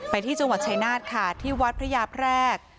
ที่จังหวัดชายนาฏค่ะที่วัดพระยาแพรก